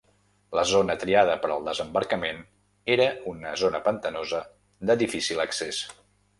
La zona triada per al desembarcament era una zona pantanosa de difícil accés.